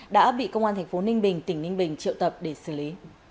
đã bị công an tp ninh bình tỉnh ninh bình triệu tập để xử lý